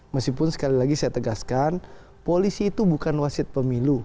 meskipun sekali lagi saya tegaskan polisi itu bukan wasit pemilu